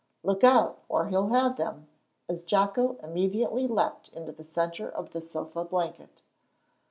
"Look out, or he'll have them," as Jocko immediately leaped into the centre of the sofa blanket.